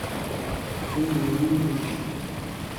Bill yuwey-iyi-d adlis-nni.